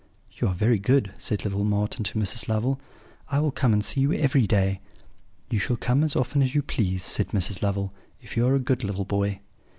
"'You are very good,' said little Marten to Mrs. Lovel; 'I will come and see you every day.' "'You shall come as often as you please,' said Mrs. Lovel, 'if you are a good little boy.'